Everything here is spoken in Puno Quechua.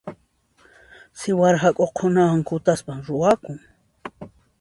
Siwara hak'uqa qhunawan kutaspa ruwakun.